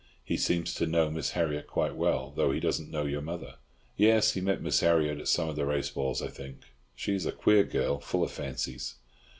He seems to know Miss Harriott quite well, though he doesn't know your mother." "Yes, he met Miss Harriott at some of the race balls, I think. She is a queer girl, full of fancies."